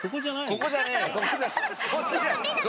ここじゃねえよ！